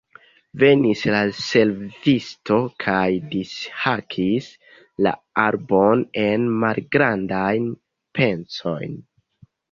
Venis la servisto kaj dishakis la arbon en malgrandajn pecojn.